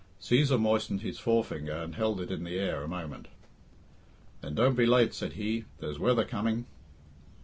Cæsar moistened his forefinger and held it in the air a moment. "Then don't be late," said he, "there's weather coming."